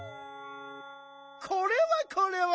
これはこれは！